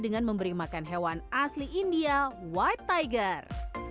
dengan memberi makan hewan asli india white tiger